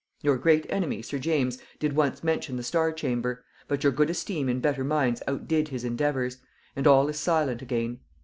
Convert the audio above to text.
Your great enemy, sir James, did once mention the star chamber, but your good esteem in better minds outdid his endeavours, and all is silent again.